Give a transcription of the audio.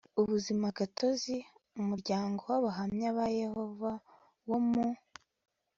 ubuzima gatozi umuryango w Abahamya ba Yehova wo mu